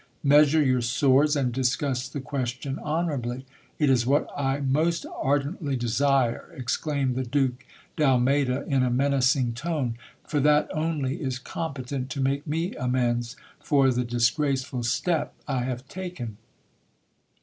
Measure your swords, and discuss the question honourably. It is what I most ardently desire, exclaimed the Duke d'Almeyda in a menacing tone ; for that only is competent to make me amends for the disgraceful step I have taken.